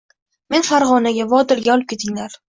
«Meni Farg’onaga, Vodilga olib ketinglar